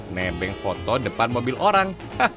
nebeng foto depan mobil orang